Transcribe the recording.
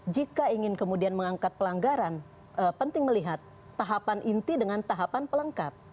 jika ingin kemudian mengangkat pelanggaran penting melihat tahapan inti dengan tahapan pelengkap